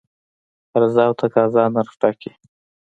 عرضه او تقاضا نرخ ټاکي.